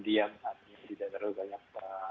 diam tidak perlu banyak